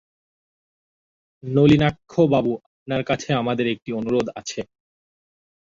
নলিনাক্ষবাবু, আপনার কাছে আমাদের একটি অনুরোধ আছে।